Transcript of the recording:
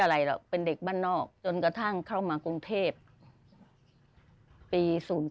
อะไรหรอกเป็นเด็กบ้านนอกจนกระทั่งเข้ามากรุงเทพปี๐๙